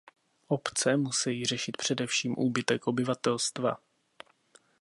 Obce musejí řešit především úbytek obyvatelstva.